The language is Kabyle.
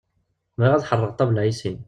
Bɣiɣ ad ḥerreɣ ṭabla i sin.